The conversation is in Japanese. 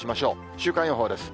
週間予報です。